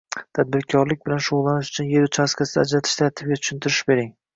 Tadbirkorlik bilan shug’ullanish uchun er uchastkasi ajratish tartibiga tushuntirish bering?